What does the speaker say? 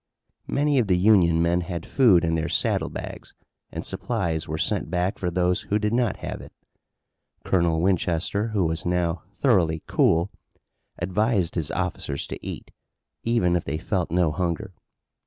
Many of the Union men had food in their saddle bags, and supplies were sent back for those who did not have it. Colonel Winchester who was now thoroughly cool, advised his officers to eat, even if they felt no hunger.